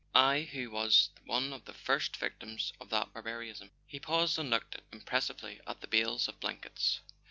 I, who was one of the first Victims of that barbarism. .." He paused and looked impressively at the bales of blankets.